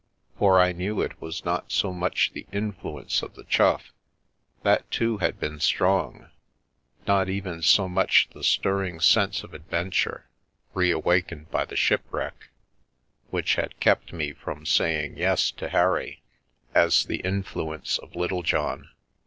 For I knew it was not so much the influence of the Chough — that, too, had been strong — not even so much the stirring sense of adventure reawakened by the ship wreck, which had kept me from saying " Yes " to Harry, as the influence of Littlejohn.